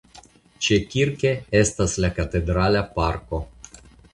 Ĉekirke estas la Katedrala parko.